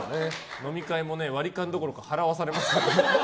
飲み会も割り勘どころか払わされますからね。